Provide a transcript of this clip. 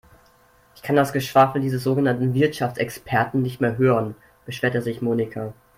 Ich kann das Geschwafel dieses sogenannten Wirtschaftsexperten nicht mehr hören, beschwerte sich Monika.